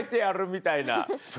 みたいな。